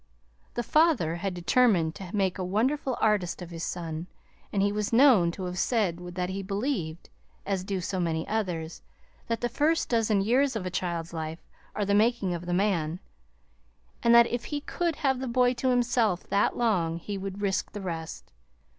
The father had determined to make a wonderful artist of his son, and he was known to have said that he believed as do so many others that the first dozen years of a child's life are the making of the man, and that if he could have the boy to himself that long he would risk the rest.